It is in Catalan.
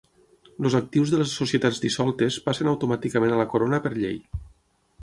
Els actius de les societats dissoltes passen automàticament a la Corona per llei.